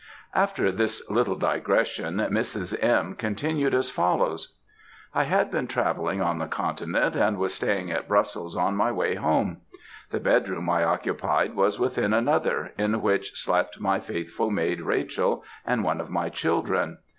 After this little digression, Mrs. M. continued as follows: "I had been travelling on the continent, and was staying at Brussels on my way home. The bedroom I occupied was within another, in which slept my faithful maid, Rachel, and one of my children.